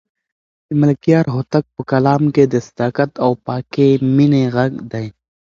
د ملکیار هوتک په کلام کې د صداقت او پاکې مینې غږ دی.